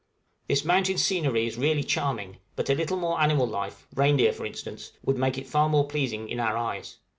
This mountain scenery is really charming; but a little more animal life reindeer, for instance would make it far more pleasing in our eyes.